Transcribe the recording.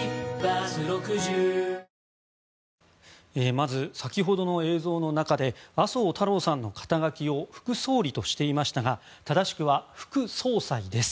まず先ほどの映像の中で麻生太郎さんの肩書を副総理としていましたが正しくは副総裁です。